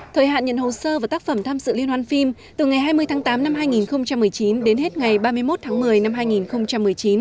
thời hạn nhận hồ sơ và tác phẩm tham dự liên hoan phim từ ngày hai mươi tháng tám năm hai nghìn một mươi chín đến hết ngày ba mươi một tháng một mươi năm hai nghìn một mươi chín